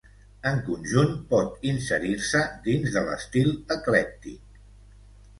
En conjunt pot inserir-se dins de l'estil eclèctic.